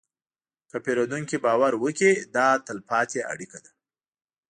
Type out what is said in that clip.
که پیرودونکی باور وکړي، دا تلپاتې اړیکه ده.